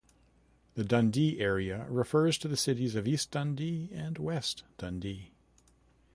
The Dundee area refers to the cities of East Dundee and West Dundee.